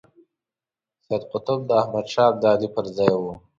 سید قطب د احمد شاه ابدالي پر ځای وو.